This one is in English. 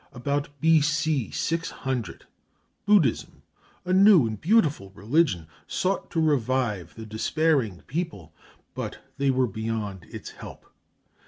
About B.C. 600 Buddhism, a new and beautiful religion, sought to revive the despairing people; but they were beyond its help.